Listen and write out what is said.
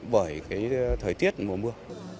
bởi cái thời tiết mùa mưa